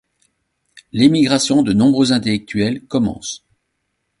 L'émigration de nombreux intellectuels commence.